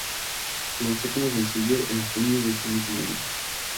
Se lanzó como sencillo en junio de ese mismo año.